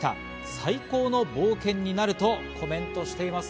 最高の冒険になるとコメントしています。